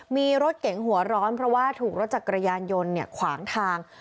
มีรถเก๋งหัวร้อนเพราะว่าถูกรถจักรยานยนต์ขวางทาง